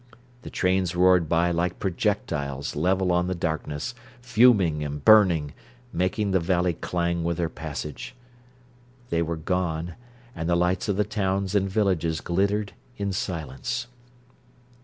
The trains roared by like projectiles level on the darkness, fuming and burning, making the valley clang with their passage. They were gone, and the lights of the towns and villages glittered in silence.